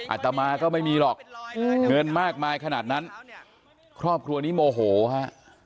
อาตมาก็ไม่มีหรอกเงินมากมายขนาดนั้นครอบครัวนี้โมโหฮะ